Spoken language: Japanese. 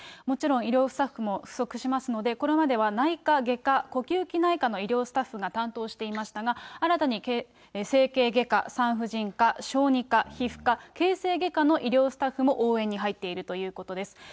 もちろん医療スタッフも不足しますので、これまでは、外科、呼吸器内科の医療スタッフが担当していましたが、新たに整形外科、産婦人科、小児科、皮膚科、形成外科の医療スタッフも応援に入っているということです。